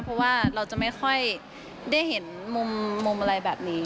เพราะว่าเราจะไม่ค่อยได้เห็นมุมอะไรแบบนี้